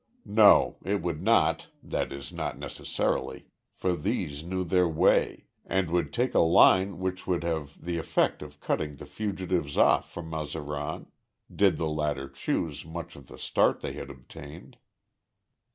No, it would not that is, not necessarily for these knew their way, and would take a line which would have the effect of cutting the fugitives off from Mazaran, did the latter lose much of the start they had obtained.